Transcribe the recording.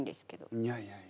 いやいやいや。